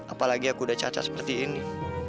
apalagi aku udah cacat seperti ini